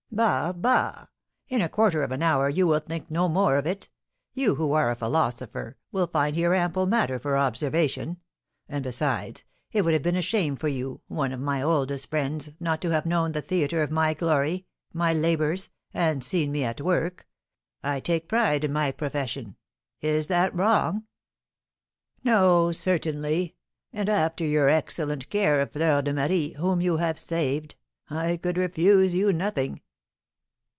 "Bah, bah! In a quarter of an hour you will think no more of it. You, who are a philosopher, will find here ample matter for observation; and besides, it would have been a shame for you, one of my oldest friends, not to have known the theatre of my glory, my labours, and seen me at work. I take pride in my profession is that wrong?" "No, certainly; and after your excellent care of Fleur de Marie, whom you have saved, I could refuse you nothing."